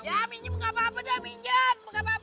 ya pinjam gapapa dah pinjam